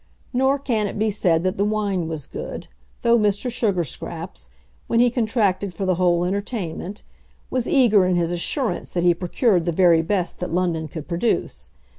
Nor can it be said that the wine was good, though Mr. Sugarscraps, when he contracted for the whole entertainment, was eager in his assurance that he procured the very best that London could produce.